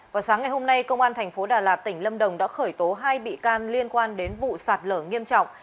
vào sáng ngày hôm nay công an thành phố đà lạt tỉnh lâm đồng đã khởi tố hai bị can liên quan đến vụ sạt lở nghiêm trọng